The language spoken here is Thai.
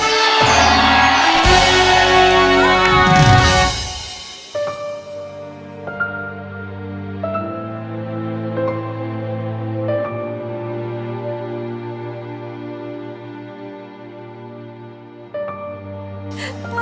ผิดครับ